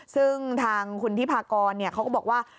ซึ่งทางคุณทิพากรเขาก็บอกว่า